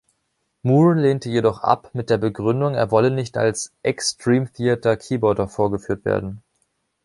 Moore lehnte jedoch ab mit der Begründung, er wolle nicht als „Ex-Dream-Theater-Keyboarder“ vorgeführt werden.